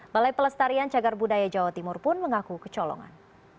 balai pelestarian cagar budaya jawa timur pun mengaku kecolongan